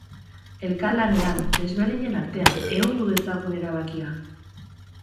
Elkarlanean, desberdinen artean, ehundu dezagun erabakia!